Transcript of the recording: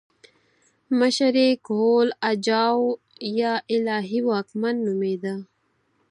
مشر یې کهول اجاو یا الهي واکمن نومېده